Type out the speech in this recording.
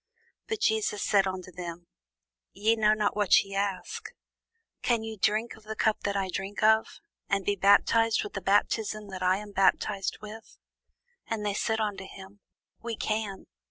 But Jesus said unto them, Ye know not what ye ask: can ye drink of the cup that I drink of? and be baptized with the baptism that I am baptized with? And they said unto him, We can.